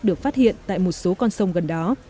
được phát hiện tại một số con sông gần đó